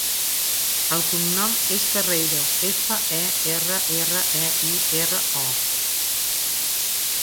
El cognom és Ferreiro: efa, e, erra, erra, e, i, erra, o.